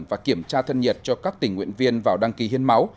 và kiểm tra thân nhiệt cho các tình nguyện viên vào đăng ký hiến máu